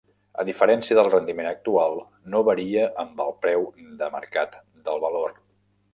A diferència del rendiment actual, no varia amb el preu de mercat del valor.